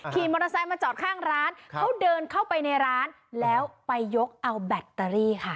ขี่มอเตอร์ไซค์มาจอดข้างร้านเขาเดินเข้าไปในร้านแล้วไปยกเอาแบตเตอรี่ค่ะ